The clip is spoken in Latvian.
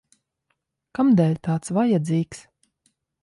Kamdēļ tāds vajadzīgs?